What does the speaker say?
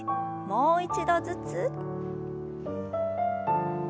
もう一度ずつ。